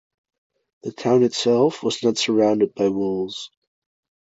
The town itself was not surrounded by walls.